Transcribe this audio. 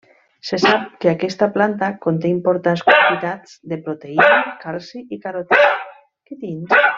Se sap que aquesta planta conté importants quantitats de proteïna, calci i carotè.